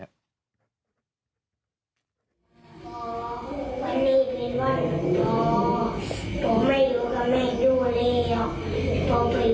วันนี้เป็นวันหลงพ่อพ่อไม่อยู่กับแมนยูเลยหรอก